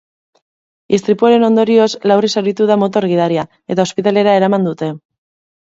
Istripuaren ondorioz larri zauritu da motor-gidaria, eta ospitalera eraman dute.